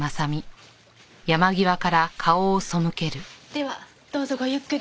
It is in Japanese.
ではどうぞごゆっくり。